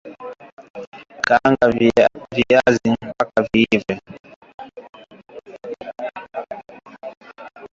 kaanga viazi mpaka viive